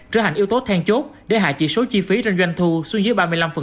nhưng teaawa cũng có nhiều tiêu tố than chốt để hạ chỉ số chi phí doanh doanh thu xuống dưới ba mươi năm